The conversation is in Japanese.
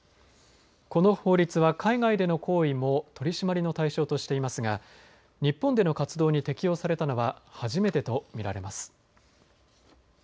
この法律は海外での行為も取締りの対象としていますが日本での活動に適用されたのは初めてと見られます。